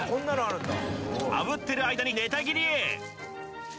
あぶってる間にネタ切りへ！